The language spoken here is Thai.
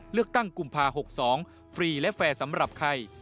เลือกตั้งกุมภาพันธ์๖๒ฟรีและแฟร์สำหรับใคร